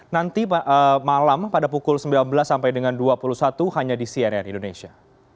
nanti malam pada pukul sembilan belas sampai dengan dua puluh satu hanya di cnn indonesia